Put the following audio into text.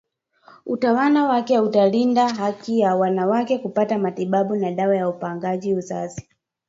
utawala wake utalinda haki ya wanawake kupata matibabu na dawa za upangaji uzazi